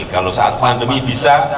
kalau saat pandemi bisa